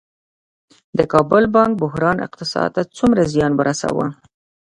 د کابل بانک بحران اقتصاد ته څومره زیان ورساوه؟